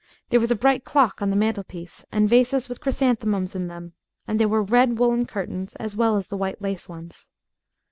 There was a bright clock on the mantelpiece, and vases with chrysanthemums in them, and there were red woollen curtains as well as the white lace ones.